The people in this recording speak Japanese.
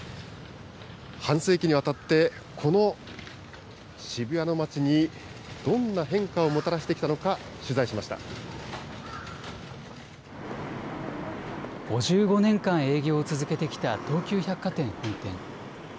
半世紀にわたって、この渋谷の街にどんな変化をもたらしてきたの５５年間営業を続けてきた東急百貨店本店。